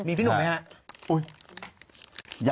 มีพี่หนุ่มไหมฮะ